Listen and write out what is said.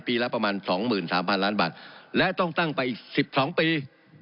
ละประมาณ๒๓๐๐ล้านบาทและต้องตั้งไปอีก๑๒ปี